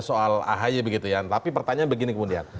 soal ahy begitu ya tapi pertanyaan begini kemudian